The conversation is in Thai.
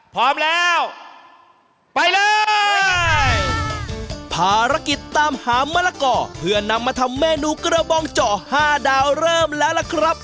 พร้อมแล้วไปเลยภารกิจตามหามะละกอเพื่อนำมาทำเมนูกระบองเจาะห้าดาวเริ่มแล้วล่ะครับ